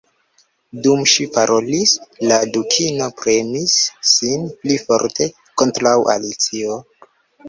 Dum ŝi parolis, la Dukino premis sin pli forte kontraŭ Alicio.